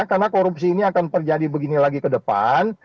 karena korupsi ini akan terjadi begini lagi ke depan